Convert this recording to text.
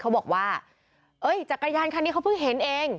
เขาบอกว่าเอ้ยจักรยานคันนี้เขาเพิ่งเห็นเอง